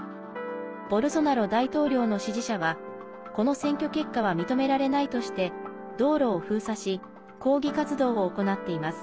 ボルソナロ大統領の支持者はこの選挙結果は認められないとして道路を封鎖し抗議活動を行っています。